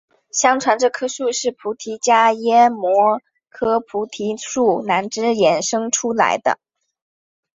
相传这棵树是菩提伽耶摩诃菩提树南枝衍生出来的。